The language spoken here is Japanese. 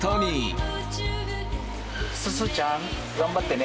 すずちゃん頑張ってね。